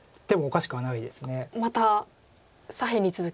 また左辺に続き。